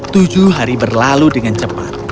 tujuh hari berlalu dengan cepat